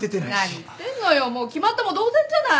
何言ってんのよもう決まったも同然じゃない。